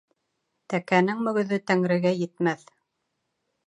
Тәкәнең мөгөҙө Тәңрегә етмәҫ.